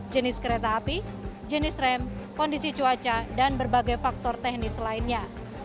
jenis kereta api jenis rem kondisi cuaca dan berbagai faktor teknis lainnya